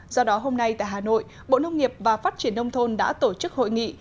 do đó hôm nay tại hà nội bộ nông nghiệp và phát triển nông thôn đã tổ chức hội nghị